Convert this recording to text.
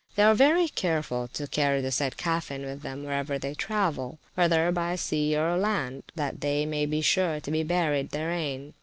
They are very careful to carry the said [p.379] caffin with them wherever they travel, whether by sea or land, that they may be sure to be buried therein.